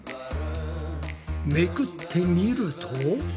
めくってみると。